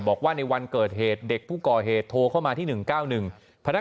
บอกว่าในวันเกิดเหตุเด็กผู้ก่อเหตุโทรเข้ามาที่๑๙๑พนักงาน